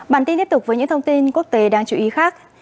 bản tin tiếp tục với những thông tin quốc tế đáng chú ý khác